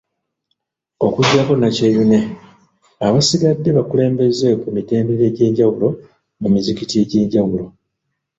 Okujjako Nakyeyune, abasigadde bakulembeze ku mitendera egy'enjawulo mu mizikiti egy'enjawulo.